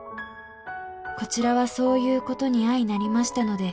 「こちらはそういうことに相成りましたので」